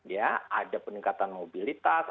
ya ada peningkatan mobilitas